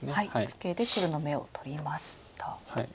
ツケで黒の眼を取りました。